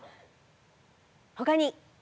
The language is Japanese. ほかに？